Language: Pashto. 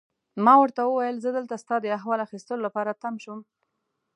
ما ورته وویل: زه دلته ستا د احوال اخیستو لپاره تم شوم.